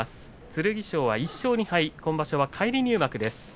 剣翔は１勝２敗、返り入幕です。